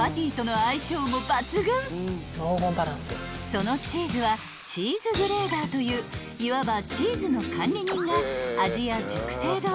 ［そのチーズはチーズ・グレーダーといういわばチーズの管理人が］